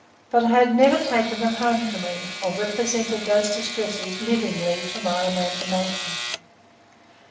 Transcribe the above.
But I had never taken them home to me or represented these distresses livingly to my imagination.